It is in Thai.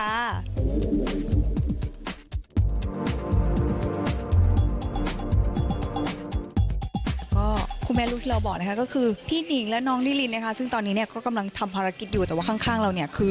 ก็คุณแม่ลูกที่เราบอกนะคะก็คือพี่หนิงและน้องนิรินนะคะซึ่งตอนนี้เนี่ยก็กำลังทำภารกิจอยู่แต่ว่าข้างเราเนี่ยคือ